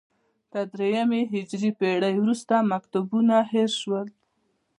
تر درېیمې هجري پېړۍ وروسته مکتبونه هېر شول